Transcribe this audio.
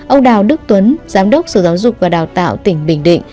ông đào đức tuấn giám đốc sở giáo dục và đào tạo tỉnh bình định